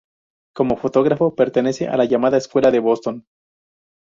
Como fotógrafo, pertenece a la llamada Escuela de Boston.